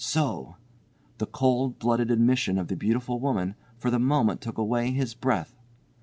So! The cold blooded admission of the beautiful woman for the moment took away his breath!